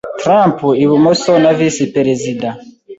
Trump ibumoso na Visi Perezida